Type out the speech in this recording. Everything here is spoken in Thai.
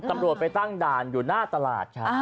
ตำรวจไปตั้งด่านอยู่หน้าตลาดครับ